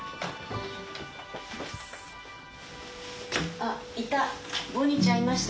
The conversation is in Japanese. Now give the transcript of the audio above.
あっいた！